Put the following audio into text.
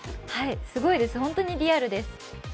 すごいです、本当にリアルです。